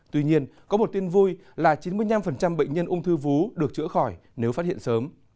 tuy nhiên có một tin vui là chín mươi năm bệnh nhân ung thư vú được chữa khỏi nếu phát hiện sớm